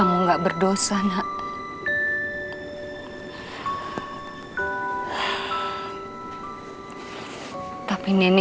aduh bekas berantakan zaman aldi